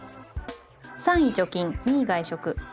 ３位貯金２位外食。